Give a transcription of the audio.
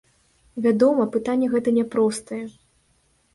Вядома, пытанне гэта няпростае.